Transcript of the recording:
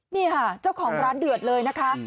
นี่ค่ะเจ้าของร้านเดือดเลยนะคะ